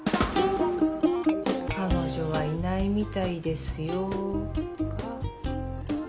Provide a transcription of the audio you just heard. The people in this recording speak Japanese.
「彼女はいないみたいですよ」っか。